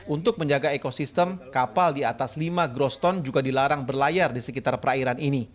untuk menjaga ekosistem kapal di atas lima groston juga dilarang berlayar di sekitar perairan ini